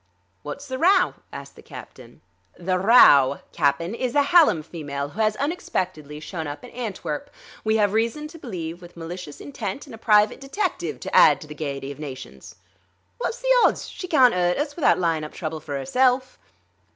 "Wot's the row?" asked the captain. "The row, Cap'n, is the Hallam female, who has unexpectedly shown up in Antwerp, we have reason to believe with malicious intent and a private detective to add to the gaiety of nations." "Wot's the odds? She carn't 'urt us without lyin' up trouble for 'erself."